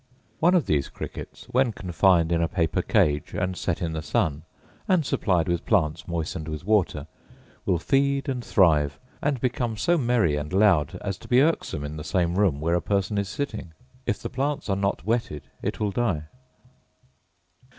One of these crickets, when confined in a paper cage and set in the sun, and supplied with plants moistened with water, will feed and thrive, and become so merry and loud as to be irksome in the same room where a person is sitting: if the plants are not wetted it will die.